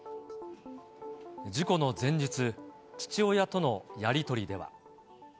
事故の前日、父親とのやり取りでは。